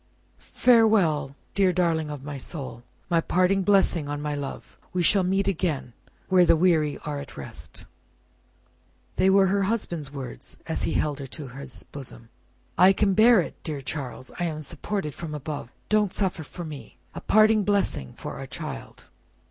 "Farewell, dear darling of my soul. My parting blessing on my love. We shall meet again, where the weary are at rest!" They were her husband's words, as he held her to his bosom. "I can bear it, dear Charles. I am supported from above: don't suffer for me. A parting blessing for our child."